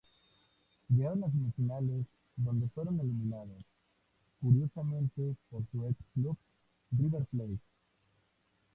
Llegaron a semifinales, donde fueron eliminados, curiosamente, por su ex-club River Plate.